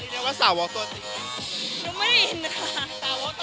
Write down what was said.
เพราะว่าเสียงเพลงดังมาก